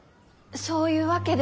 そういうわけでは。